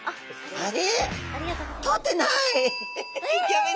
あれ？